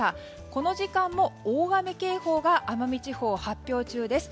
この時間も大雨警報が奄美地方に発表中です。